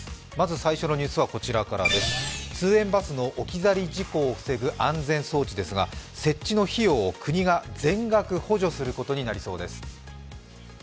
最初のニュースはこちらからです通園事故の置き去り事故を防ぐ安全装置ですが、設置の費用を国が全額補助することになりそうです。